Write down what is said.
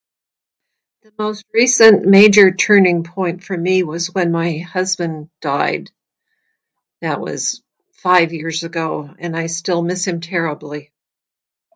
The most recent major turning point for me was when my husband died. That was five years ago, and I still miss him terribly.